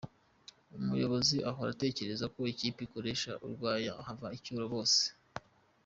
Umuyobozi ahora atekereza ku ikipe akoresha arwanya ahava icyuho bose.